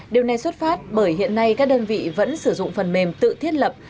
điều này xuất phát bởi hiện nay các đơn vị vẫn sử dụng phần mềm tự thiết lập